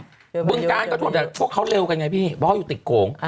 แต่เพิ่งเขาเรวกันไงพี่เพราะเขาอยู่ติดโข่ง